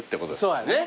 そうだね。